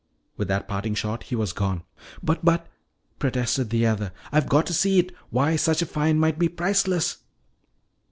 With that parting shot he was gone. "But but " protested the other, "I've got to see it. Why, such a find might be priceless."